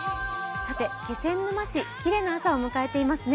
気仙沼市、きれいな朝を迎えていますね。